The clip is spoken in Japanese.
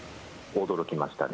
驚きましたね。